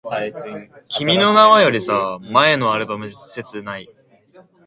The tower is designated as a national monument and maintained by Cork City Council.